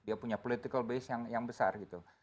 dia punya political base yang besar gitu